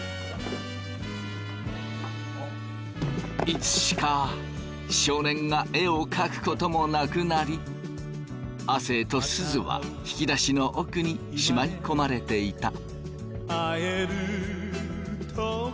いつしか少年が絵を描くこともなくなり亜生とすずは引き出しの奥にしまいこまれていた。